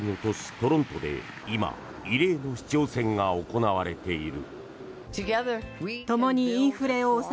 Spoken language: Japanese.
トロントで今異例の市長選が行われている。